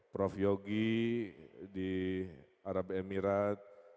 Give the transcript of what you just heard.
prof yogi di arab emirat